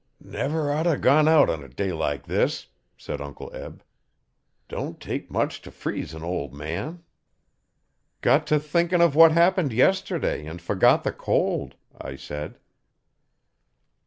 'Never oughter gone out a day like this,' said Uncle Eb. 'Don' take much t' freeze an ol' man.' 'Got to thinking of what happened yesterday and forgot the cold,' I said.